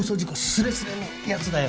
スレスレのやつだよ！